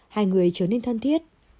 hai người trở nên thân thiết